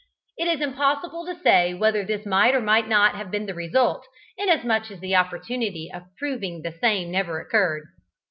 It is impossible to say whether this might or might not have been the result, inasmuch as the opportunity of proving the same never occurred.